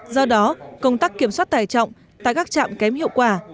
do đó công tác kiểm soát tài trọng tại các trạm kém hiệu quả